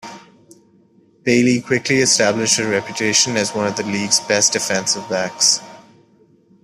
Bailey quickly established a reputation as one of the league's best defensive backs.